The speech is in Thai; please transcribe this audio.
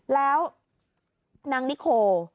แล้วนางนิโค